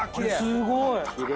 すごい！